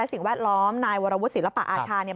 และสิ่งแวดล้อมนายวรวชศิลปะอาชา